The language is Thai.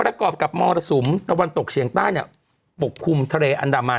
ประกอบกับมรสุมตะวันตกเฉียงใต้เนี่ยปกคลุมทะเลอันดามัน